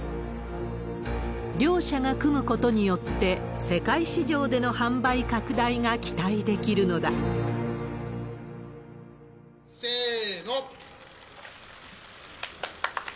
両社が組むことによって、世界市場での販売拡大が期待できるせーの。